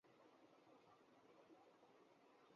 what's app آپ نئے